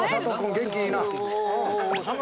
元気いいな。